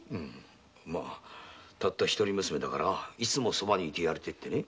たった一人の娘だからいつもそばにいてやりてぇってね。